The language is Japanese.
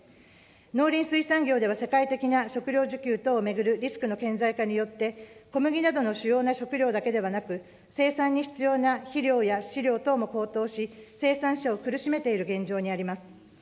農林水産業では世界的な食糧需給等を巡るリスクの顕在化によって、小麦などの主要な食糧だけではなく、生産に必要な肥料や飼料等も高騰し、生産者を苦しめている現状にあります。